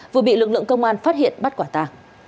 vừa bị lực lượng công an phát hiện bắt quả tàng